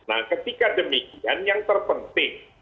nah ketika demikian yang terpenting